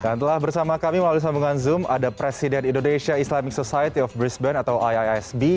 dan telah bersama kami melalui sambungan zoom ada presiden indonesia islamic society of brisbane atau iisb